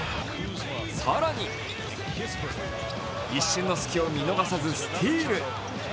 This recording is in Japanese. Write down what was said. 更に、一瞬の隙を見逃さずスティール。